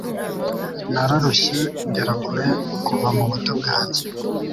Nararushye ngera kure kuva mu buto bwanjye